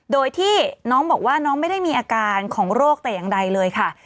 โดยที่น้องบอกว่าน้องไม่ได้มีอาการของโรคแต่อย่างใดเลยค่ะ